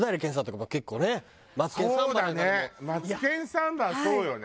『マツケンサンバ』はそうよね。